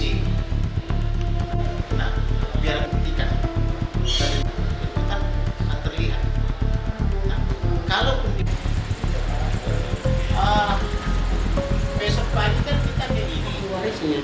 yang mencuri itu karena disuruh pc